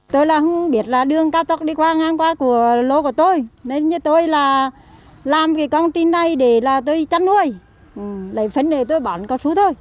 tôi đã làm công trình này để chăn nuôi lấy phấn đề tôi bỏ một con sú thôi